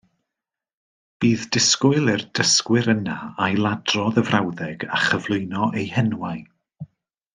Bydd disgwyl i'r dysgwyr yna ailadrodd y frawddeg a chyflwyno eu henwau